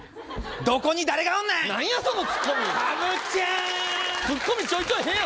どこに誰がおんねん。